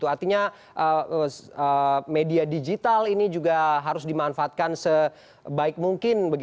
artinya media digital ini juga harus dimanfaatkan sebaik mungkin